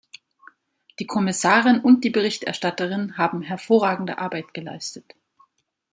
Die Kommissarin und die Berichterstatterin haben hervorragende Arbeit geleistet.